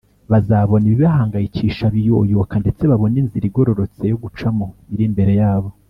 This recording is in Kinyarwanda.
bazabona ibibahangayikisha biyoyoka ndetse babone inzira igororotse yo gucamo iri imbere yabo